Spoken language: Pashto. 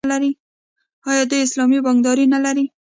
آیا دوی اسلامي بانکداري نلري؟